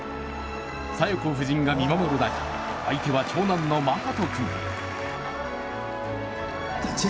紗代子夫人が見守る中、相手は長男の眞羽人君。